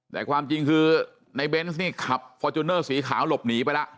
แต่ความจริงคือในเบนส์นี่ขับฟอร์จูเนอร์สีขาวหลบหนีไปแล้ว